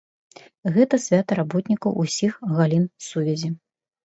Гэта свята работнікаў усіх галін сувязі.